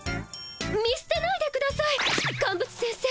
見すてないでくださいカンブツ先生。